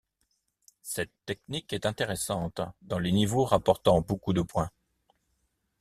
Cette technique est intéressante dans les niveaux rapportant beaucoup de points.